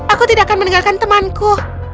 aku tidak akan meninggalkan temanku